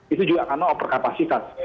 itu juga karena over kapasitas